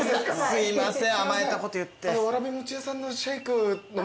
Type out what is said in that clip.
すいません。